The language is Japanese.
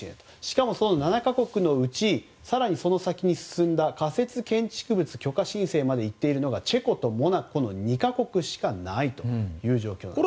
更にその７か国のうち更にその先に進んだ仮設建築物許可申請までいっているのがチェコとモナコの２か国しかないという状況なんです。